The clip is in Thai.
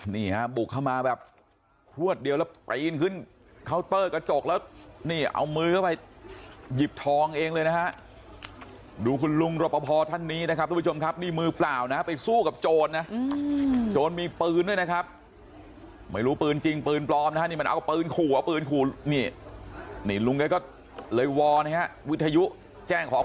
นี่ฮะบุกเข้ามาแบบพลวดเดียวแล้วปีนขึ้นเคาน์เตอร์กระจกแล้วนี่เอามือเข้าไปหยิบทองเองเลยนะฮะดูคุณลุงรปภท่านนี้นะครับทุกผู้ชมครับนี่มือเปล่านะไปสู้กับโจรนะโจรมีปืนด้วยนะครับไม่รู้ปืนจริงปืนปลอมนะฮะนี่มันเอาปืนขู่เอาปืนขู่นี่นี่ลุงแกก็เลยวอนนะฮะวิทยุแจ้งขอ